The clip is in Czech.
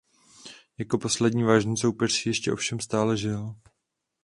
Jeho poslední vážný soupeř ještě ovšem stále žil.